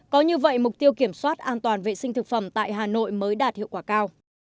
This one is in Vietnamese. có như vậy mục tiêu kiểm soát an toàn vệ sinh thực phẩm tại hà nội mới đạt hiệu quả cao